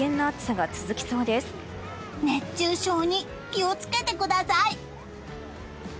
熱中症に気を付けてください。